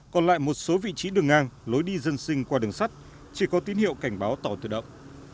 còn lại một số vị trí đường ngang lối đi dân sinh qua đường sắt chỉ có tín hiệu cảnh báo tàu tự động